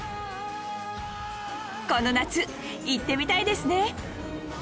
この夏行ってみたいですね